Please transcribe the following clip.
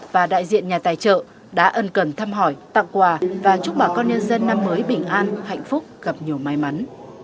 và đại diện nhà tài trợ đã ân cần thăm hỏi tặng quà và chúc bà con nhân dân năm mới bình an hạnh phúc gặp nhiều may mắn